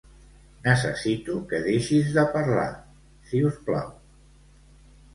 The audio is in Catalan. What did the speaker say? Necessito que deixis de parlar, si us plau.